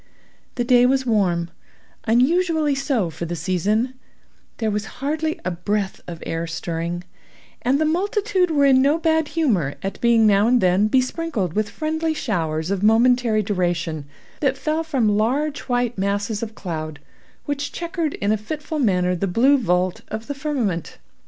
The day was warm—unusually so for the season—there was hardly a breath of air stirring; and the multitude were in no bad humor at being now and then besprinkled with friendly showers of momentary duration, that fell from large white masses of cloud which chequered in a fitful manner the blue vault of the firmament.